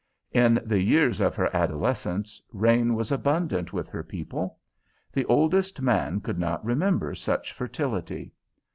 In the years of her adolescence, rain was abundant with her people. The oldest man could not remember such fertility.